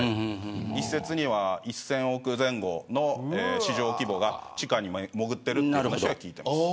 一説には１０００億前後の市場規模が地下に潜っているという話は聞いています。